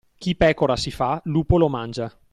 Chi pecora si fa , lupo lo mangia.